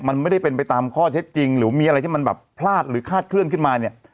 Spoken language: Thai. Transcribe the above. มันไม่ได้เป็นไปตามข้อเท็จจริงหรือมีอะไรที่มันแบบพลาดหรือคาดเคลื่อนขึ้นมาเนี่ย